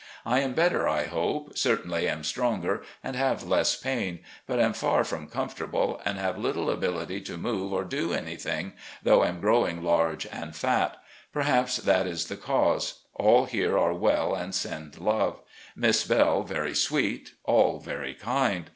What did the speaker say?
I am better, I hope, certainly am stronger and have less pain, but am far from comfortable, and have little ability to move or do anything, though am growing large and fat. Perhaps that is the cause. All here are well and send love. Miss Belle very sweet; all very kind.